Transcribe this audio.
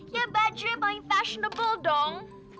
ya baju yang paling fashionable dong